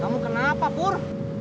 kamu kenapa pur